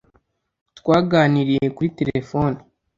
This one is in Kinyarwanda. Twaganiriye kuri terefone